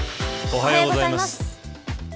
おはようございます。